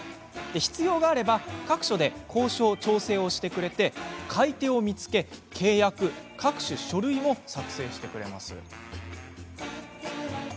必要があれば各所で交渉、調整をしてくれて買い手を見つけ、契約各種書類も作成してくれます。